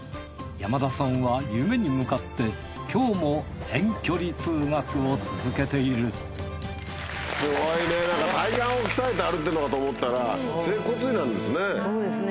山田さんは夢に向かって今日も遠距離通学を続けているすごいねなんか体幹を鍛えてあるっていうのかと思ったら整骨院なんですね。